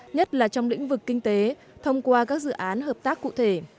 nhất là trong lĩnh vực kinh tế thông qua các dự án hợp tác cụ thể